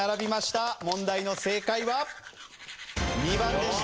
問題の正解は２番でした。